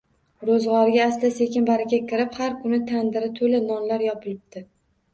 Ro'zg'origa asta-sekin baraka kirib, har kun tandiri to'la nonlar yopilibdi